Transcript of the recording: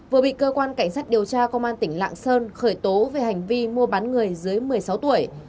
vừa bị cơ quan cảnh sát điều tra công an tỉnh lạng sơn khởi tố về hành vi mua bán người dưới một mươi sáu tuổi